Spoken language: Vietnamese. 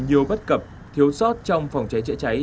nhiều bất cập thiếu sót trong phòng cháy chữa cháy